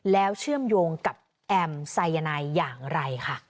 แล้วเชื่อมโยงกับแอมไซยานายอย่างไรค่ะ